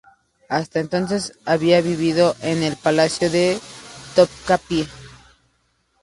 Hasta entonces había vivido en el Palacio de Topkapi.